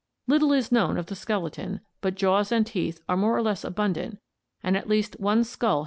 Little is known of the ' skeleton, but jaws and teeth are more or less abundant and at least one skull (Fig.